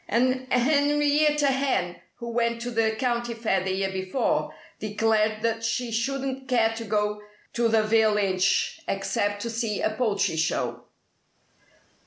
And Henrietta Hen, who went to the county fair the year before, declared that she shouldn't care to go to the village except to see a poultry show.